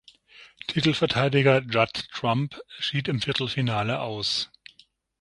Titelverteidiger Judd Trump schied im Viertelfinale aus.